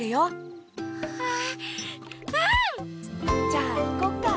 じゃあいこっか？